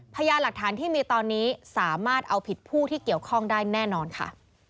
พยานหลักฐานที่มีตอนนี้สามารถเอาผิดผู้ที่เกี่ยวข้องได้แน่นอนค่ะ